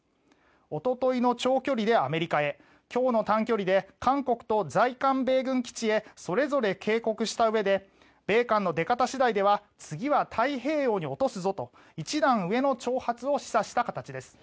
おとといの長距離でアメリカへ今日の短距離で韓国と在韓米軍基地へそれぞれ警告したうえで米韓の出方次第では次は太平洋に落とすぞと一段上の挑発を示唆した形です。